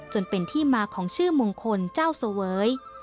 จนเป็นที่มาของชื่อมงคลเจ้าเสวย